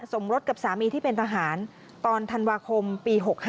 สมรสกับสามีที่เป็นทหารตอนธันวาคมปี๖๕